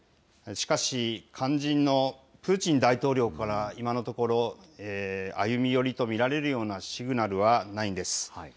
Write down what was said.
しかし、肝心のプーチン大統領から今のところ、歩み寄りと見られるようなシグナルはないんです。